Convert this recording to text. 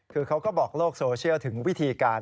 คือเขาก็บอกโลกโซเชียลถึงวิธีการ